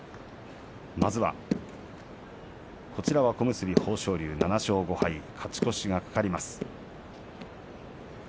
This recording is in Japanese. まずはこちらは小結豊昇龍７勝５敗、勝ち越しが懸かります。